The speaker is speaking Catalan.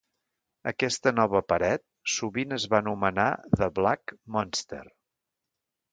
Aquesta nova paret sovint es va anomenar "The Black Monster".